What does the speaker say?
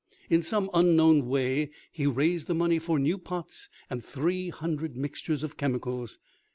In some unknown way he raised the money for new pots and three hundred mixtures of chemicals.